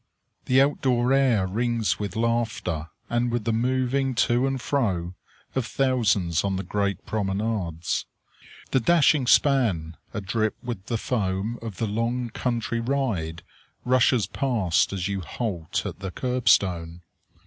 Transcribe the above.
The out door air rings with laughter, and with the moving to and fro of thousands on the great promenades. The dashing span, adrip with the foam of the long country ride, rushes past as you halt at the curb stone.